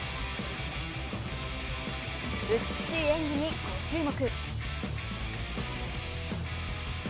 美しい演技にご注目。